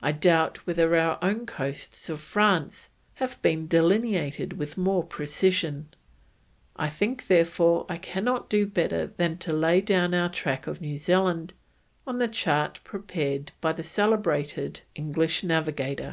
I doubt whether our own coasts of France have been delineated with more precision. I think therefore that I cannot do better than to lay down our track of New Zealand on the chart prepared by the celebrated English navigator."